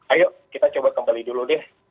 ayo kita coba kembali dulu deh